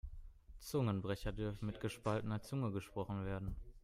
Zungenbrecher dürfen mit gespaltener Zunge gesprochen werden.